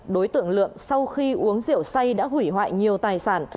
đối tượng lượng sau khi uống rượu say đã hủy hoại nhiều tài sản